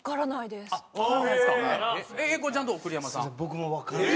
僕もわからない。